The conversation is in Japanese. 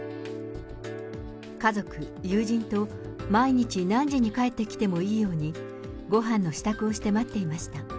家族、友人と毎日何時に帰ってきてもいいように、ごはんの支度をして待っていました。